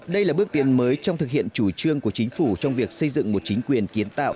đây là bước tiến mới trong thực hiện chủ trương của chính phủ trong việc xây dựng một chính quyền kiến tạo